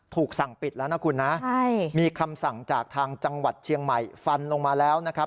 ถูกสั่งปิดแล้วนะคุณนะมีคำสั่งจากทางจังหวัดเชียงใหม่ฟันลงมาแล้วนะครับ